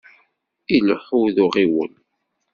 Ileḥḥu d uɣiwel.